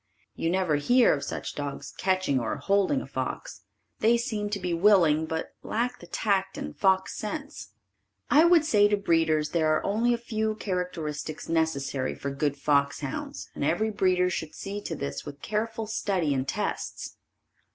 You never hear of such dogs catching or holding a fox. They seem to be willing but lack the tact and fox sense. I would say to breeders there are only a few characteristics necessary for good foxhounds and every breeder should see to this with careful study and tests.